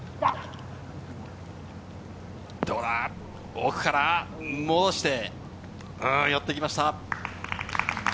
奥から戻して、寄ってきました。